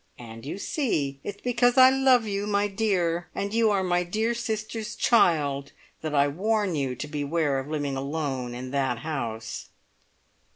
And you see! It's because I love you, my dear, and you are my dear sister's child that I warn you to beware of living alone in that house!"